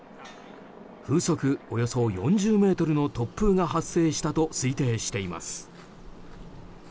風速およそ４０メートルの突風が発生したと推定しています。